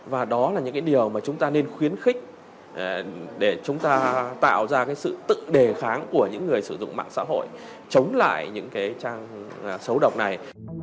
và đó là những cái điều mà chúng ta nên khuyến khích để chúng ta tạo ra cái sự tự đề kháng của những người sử dụng mạng xã hội chống lại những cái trang xấu độc này